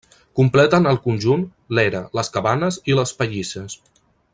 Completen el conjunt, l'era, les cabanes i les pallisses.